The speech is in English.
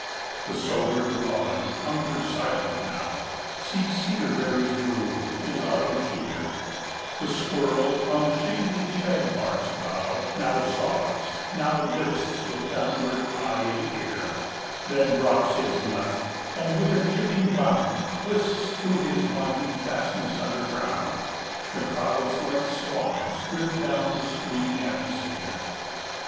The sobered robin, hunger silent now, Seeks cedar berries blue, his autumn cheer; The squirrel, on the shingly shagbark's bough, Now saws, now lists with downward eye and ear, Then drops his nut, and, with a chipping bound, 40 Whisks to his winding fastness underground; The clouds like swans drift down the streaming atmosphere.